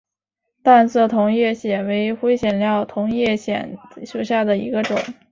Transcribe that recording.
淡色同叶藓为灰藓科同叶藓属下的一个种。